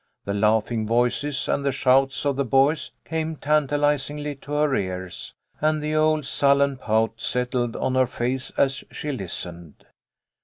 The laughing voices and the shouts of the boys came tantalisingly to her ears, and the old sullen pout settled on her face as she listened.